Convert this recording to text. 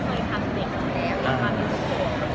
ก็เลยเน้นถ้าอะไรที่เป็นงานที่ไม่ใช่งานเราโอเค